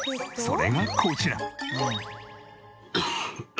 それがこちら。